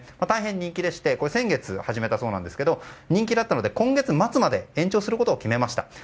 大変人気でしてこれは先月始めたそうですが人気だったので今月末まで延長することを決めました。